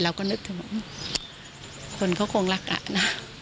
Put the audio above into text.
เราก็นึกถึงคนเขาคงรักอ่ะนะ